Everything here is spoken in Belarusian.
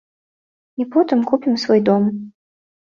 І потым купім свой дом.